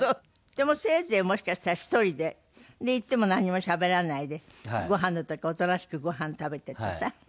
でもせいぜいもしかしたら１人で行っても何もしゃべらないでごはんの時おとなしくごはん食べててさ。